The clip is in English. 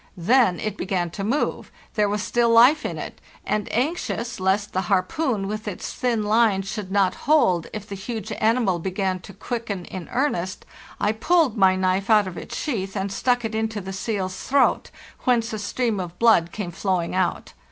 Then it began to move; there was still life in it; and, anxious lest the harpoon with. its thin line should not hold if the huge animal began to quicken in earnest, I pulled my knife out of its sheath and stuck it into the seal's throat, whence a stream of blood came flowing out.